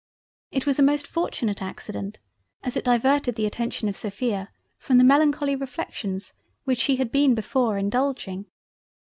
It was a most fortunate accident as it diverted the attention of Sophia from the melancholy reflections which she had been before indulging.